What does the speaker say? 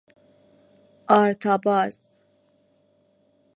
آرتاباز